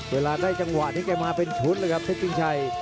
เวลาได้จังหวะนี้แกมาเป็นชุดเลยครับเพชรชิงชัย